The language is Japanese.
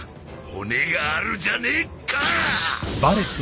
骨があるじゃねえかっ！